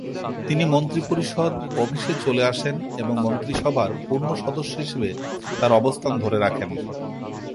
তিনি মন্ত্রিপরিষদ অফিসে চলে আসেন এবং মন্ত্রিসভার পূর্ণ সদস্য হিসাবে তার অবস্থান ধরে রাখেন।